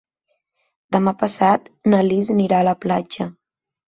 Demà passat na Lis anirà a la platja.